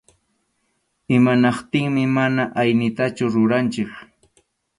Imanaptinmi mana aynitachu ruranchik.